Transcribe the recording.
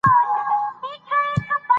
د غیرت او همت لاره خپله کړئ.